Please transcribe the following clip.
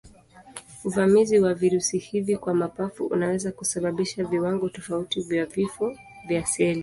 Uvamizi wa virusi hivi kwa mapafu unaweza kusababisha viwango tofauti vya vifo vya seli.